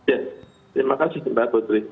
ya terima kasih mbak putri